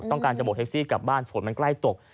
ต้องการจะบกแท็กซี่กลับบ้านฝนมันใกล้ตก